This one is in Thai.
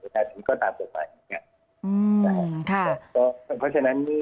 แต่ถ้าไม่เกิน๙๕ก็คำนวณได้ก็ตามตรงนี้